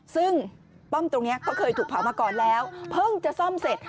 ซึ่งป้อมตรงนี้ก็เคยถูกเผามาก่อนแล้วเพิ่งจะซ่อมเสร็จ